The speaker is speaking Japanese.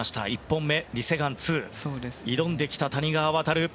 １本目、リ・セグァン２に挑んできた谷川航。